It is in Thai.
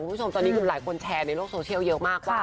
คุณผู้ชมตอนนี้คือหลายคนแชร์ในโลกโซเชียลเยอะมากว่า